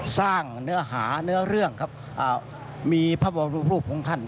สร้างเนื้อหาเนื้อเรื่องครับมีพระบรมรูปของท่าน